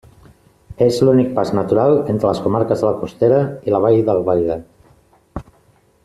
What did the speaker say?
És l'únic pas natural entre les comarques de la Costera i la Vall d'Albaida.